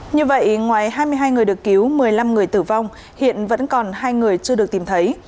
như vậy ngoài hai mươi hai người được cứu một mươi năm người tử vong hiện vẫn còn hai người chưa được tìm thấy